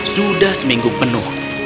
sudah seminggu penuh